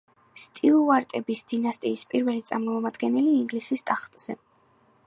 სტიუარტების დინასტიის პირველი წარმომადგენელი ინგლისის ტახტზე.